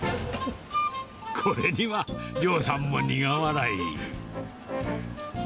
これには亮さんも苦笑い。